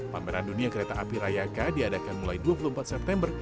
pameran dunia kereta api rayaka diadakan mulai dua puluh empat september